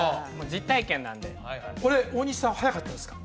実体験なんでこれ大西さん早かったですか？